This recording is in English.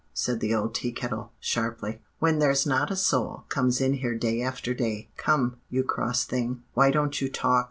said the old Tea Kettle sharply; 'when there's not a soul comes in here day after day. Come, you cross thing, why don't you talk?